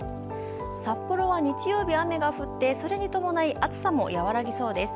札幌は日曜日、雨が降って、それに伴い、暑さも和らぎそうです。